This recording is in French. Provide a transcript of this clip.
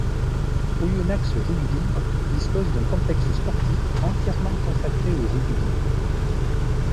Oyonnax rugby dispose d’un complexe sportif entièrement consacré au rugby.